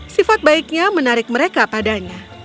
sifat baiknya menarik mereka padanya